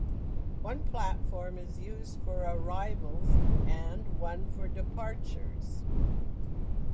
One platform is used for arrivals and one for departures.